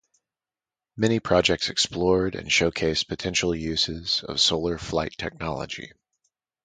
Many projects explored and show-cased potential uses of solar flight technology.